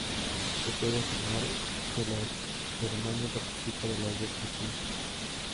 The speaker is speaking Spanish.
Se puede afirmar que la germanía participa de las dos características.